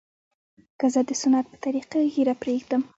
که زه د سنت په طريقه ږيره پرېږدم.